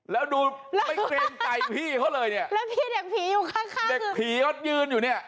แล้วดูไม่เกรงใจพี่เขาเลยเนี่ยแล้วพี่เด็กผีอยู่ข้างข้างเด็กผีเขายืนอยู่เนี่ย